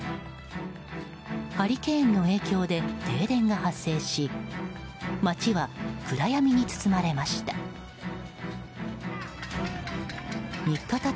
ハリケーンの影響で停電が発生し街は暗闇に包まれました。